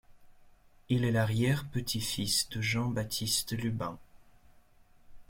Il est l'arrière-petit-fils de Jean-Baptiste Lubin.